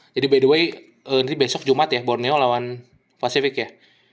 jadi btw nanti besok jumat ya borneo lawan pacific ya